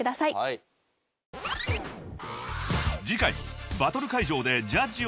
［次回］